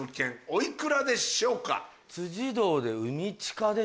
おいくらでしょうか？